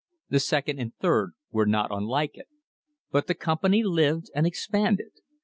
The second and third were not unlike it. But the company lived and ex panded.